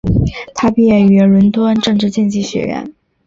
他毕业于伦敦政治经济学院。